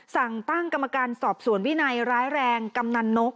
สั่งตั้งกรรมการสอบสวนวินัยร้ายแรงกำนันนก